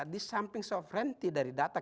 disamping sovereignty dari data